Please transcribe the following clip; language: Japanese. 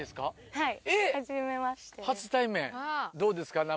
はい。